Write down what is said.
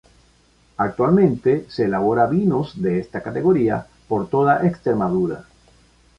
Actualmente se elabora vinos de esta categoría por toda Extremadura.